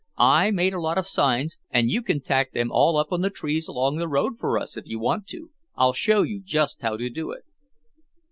I made a lot of signs and you can tack them all up on the trees along the road for us if you want to. I'll show you just how to do it."